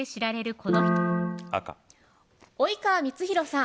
そう及川光博さん